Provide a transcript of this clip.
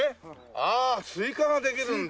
ああスイカができるんだ。